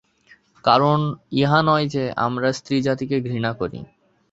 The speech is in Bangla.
কারণ ইহা নয় যে, আমরা স্ত্রীজাতিকে ঘৃণা করি।